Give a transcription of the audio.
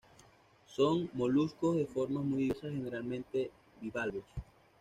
Son moluscos de formas muy diversas, generalmente bivalvos.